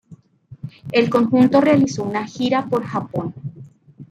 El conjunto realizó una gira por Japón.